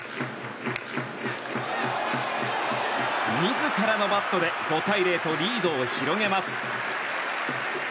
自らのバットで５対０とリードを広げます。